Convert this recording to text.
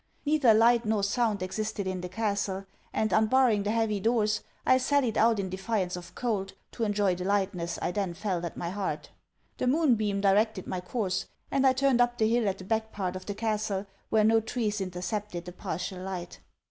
Neither light nor sound existed in the castle; and, unbarring the heavy doors, I sallied out in defiance of cold, to enjoy the lightness I then felt at my heart. The moonbeam directed my course; and I turned up the hill at the back part of the castle where no trees intercepted the partial light.